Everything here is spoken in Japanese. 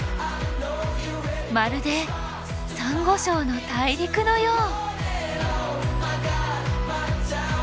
まるでサンゴ礁の大陸のよう！